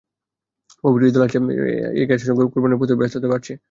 পবিত্র ঈদুল আজহা এগিয়ে আসার সঙ্গে সঙ্গে কোরবানির পশু ব্যবসায়ীদের ব্যস্ততা বাড়ছে।